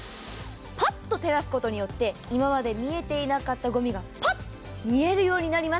パッと照らすことによって今まで見えなかったごみが見えるようになります。